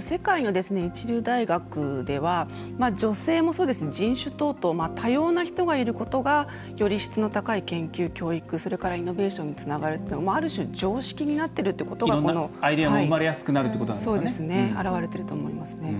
世界の一流大学では女性もそうですし人種等々多様な人がいることがより質の高い研究、教育それからイノベーションにつながるというある種、常識になっているというのが表れていると思いますね。